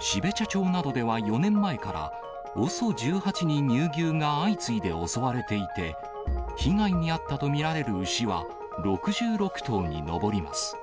標茶町などでは４年前から、ＯＳＯ１８に乳牛が相次いで襲われていて、被害に遭ったと見られる牛は６６頭に上ります。